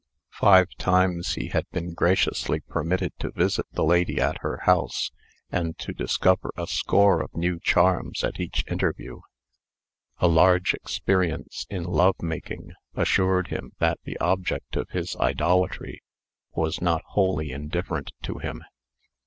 Five times he had been graciously permitted to visit the lady at her house, and to discover a score of new charms at each interview. A large experience in love making assured him that the object of his idolatry was not wholly indifferent to him.